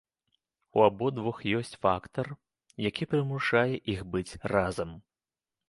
І ў абодвух ёсць фактар, які прымушае іх быць разам.